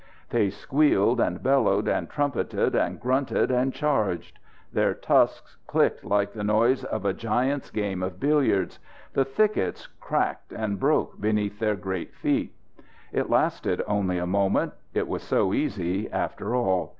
They squealed and bellowed and trumpeted and grunted and charged. Their tusks clicked like the noise of a giant's game of billiards. The thickets cracked and broke beneath their great feet. It lasted only a moment. It was so easy, after all.